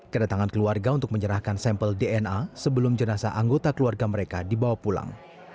kedatangan keluarga untuk menyerahkan sampel dna sebelum jenazah anggota keluarga mereka dibawa pulang